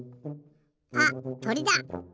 あっとりだ。